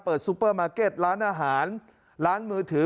ซูเปอร์มาร์เก็ตร้านอาหารร้านมือถือ